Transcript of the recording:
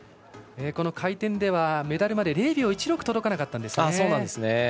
この回転では、メダルまで０秒１６届かなかったんですね